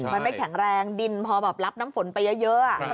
มันไม่แข็งแรงดินพอแบบรับน้ำฝนไปเยอะ